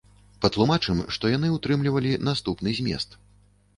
Патлумачым, што яны ўтрымлівалі наступны змест.